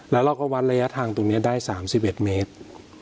แล้วเราก็วัดระยะทางตรงนี้ได้๓๑เมตร